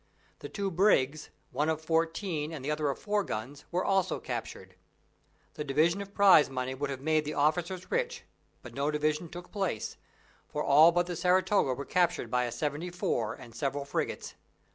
The two brigs, one of fourteen and the other of four guns, were also captured. The division of prize money would have made the officers rich, but no division took place, for all but the Saratoga were captured by a seventy four and several frigates.